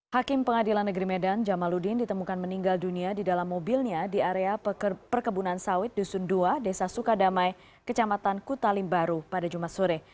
hakim pengadilan negeri medan jamaludin ditemukan meninggal dunia di dalam mobilnya di area perkebunan sawit dusun dua desa sukadamai kecamatan kutalimbaru pada jumat sore